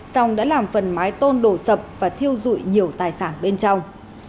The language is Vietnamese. song đã làm phần mái tôn đổ sập và thiêu dụi nhiều tài sản bên trong